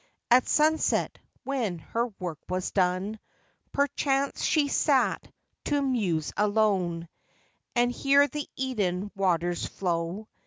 At sunset, when her work was done, Perchance she sat to muse alone, And hear the Eden waters flow.